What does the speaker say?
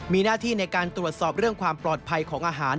มีหน้าที่ในการตรวจสอบเรื่องความปลอดภัยของอาหาร